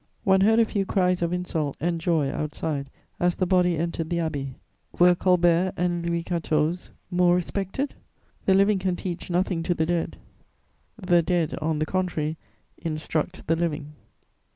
One heard a few cries of insult and joy outside, as the body entered the Abbey. Were Colbert and Louis XIV. more respected? The living can teach nothing to the dead; the dead, on the contrary, instruct the living.